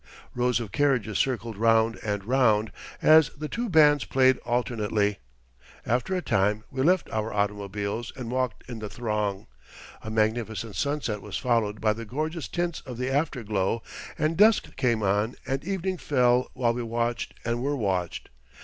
Rows of carriages circled round and round, as the two bands played alternately. After a time we left our automobiles and walked in the throng. A magnificent sunset was followed by the gorgeous tints of the afterglow, and dusk came on and evening fell while we watched and were watched.